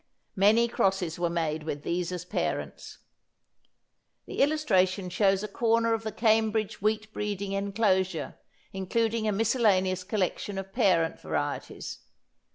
Many crosses were made with these as parents. The illustration shows a corner of the Cambridge wheat breeding enclosure including a miscellaneous collection of parent varieties.